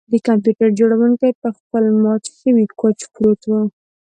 د کمپیوټر جوړونکی په خپل مات شوي کوچ پروت و